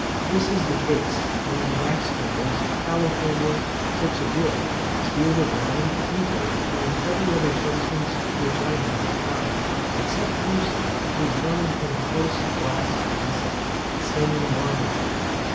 This is the case, when wax candles, tallow candles, chips of wood, spirit of wine, ether, and every other substance which I have yet tried, except brimstone, is burned in a close glass vessel, standing in lime water.